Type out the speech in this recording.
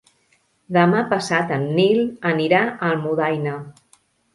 Demà passat en Nil anirà a Almudaina.